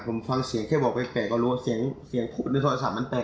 ผมฟังเสียงแค่บอกแปลกก็รู้เสียงในโทรศัพท์มันแตก